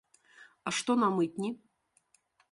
А што на мытні?